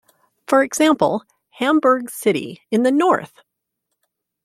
For example, Hamburg - city in the North!